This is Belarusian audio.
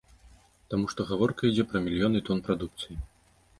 Таму што гаворка ідзе пра мільёны тон прадукцыі.